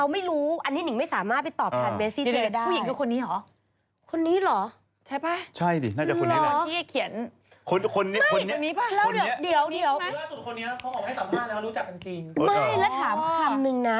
ไม่แล้วถามคำนึงนะ